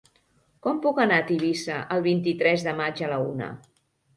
Com puc anar a Tivissa el vint-i-tres de maig a la una?